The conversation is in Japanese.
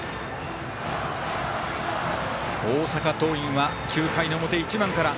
大阪桐蔭は９回の表、１番から。